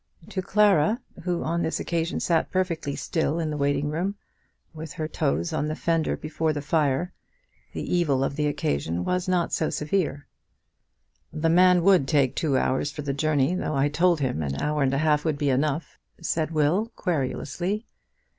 To Clara, who on this occasion sat perfectly still in the waiting room, with her toes on the fender before the fire, the evil of the occasion was not so severe. "The man would take two hours for the journey, though I told him an hour and a half would be enough," said Will, querulously.